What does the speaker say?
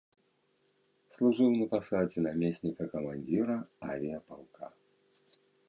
Служыў на пасадзе намесніка камандзіра авіяпалка.